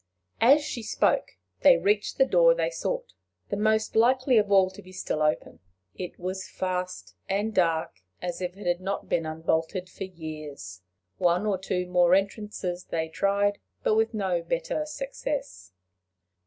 As she spoke, they reached the door they sought the most likely of all to be still open: it was fast and dark as if it had not been unbolted for years. One or two more entrances they tried, but with no better success.